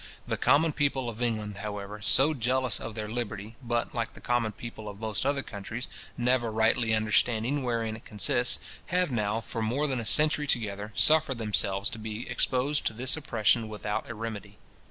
The common people of England, however, so jealous of their liberty, but like the common people of most other countries, never rightly understanding wherein it consists, have now, for more than a century together, suffered themselves to be exposed to this oppression without a remedy.